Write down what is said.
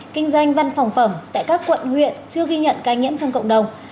kinh doanh văn phòng phẩm tại các quận huyện chưa ghi nhận ca nhiễm trong cộng đồng